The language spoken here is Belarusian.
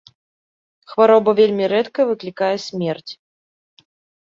Хвароба вельмі рэдка выклікае смерць.